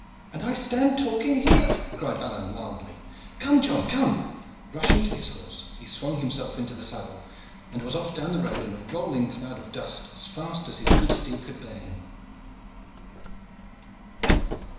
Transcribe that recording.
"And I stand talking here!" cried Alleyne wildly. "Come, John, come!" Rushing to his horse, he swung himself into the saddle, and was off down the road in a rolling cloud of dust as fast as his good steed could bear him.